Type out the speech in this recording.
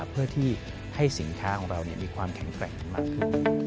เพื่อที่ให้สินค้าของเรามีความแข็งแกร่งมากขึ้น